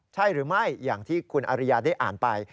ใช่หรือไม่อย่างที่คุณอริยาได้อ่านไป